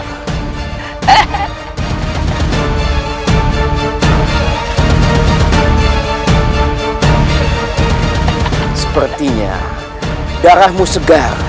aku membutuhkan darah pendekar